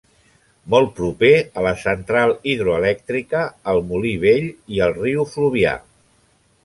Molt proper a la central hidroelèctrica, al molí vell i al riu Fluvià.